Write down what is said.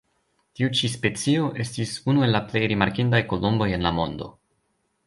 Tiu ĉi specio estis unu el la plej rimarkindaj kolomboj en la mondo.